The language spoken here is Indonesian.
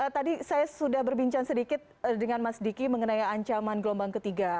tadi saya sudah berbincang sedikit dengan mas diki mengenai ancaman gelombang ketiga